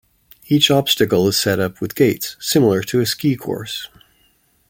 Each obstacle is set up with gates, similar to a ski course.